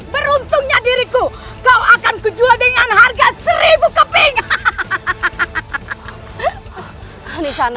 peruntungnya diriku kau akan dijual dengan harga seribu keping